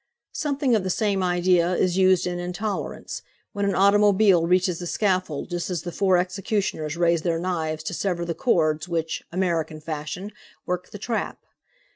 Something of the same idea is used in "Intolerance," when an automobile reaches the scaffold just as the four executioners raise their knives to sever the cords which, American fashion, work the trap.